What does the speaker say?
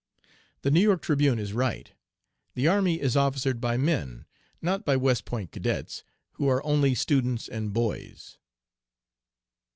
The New York Tribune is right. The army is officered by men, not by West Point cadets, who are only students and boys.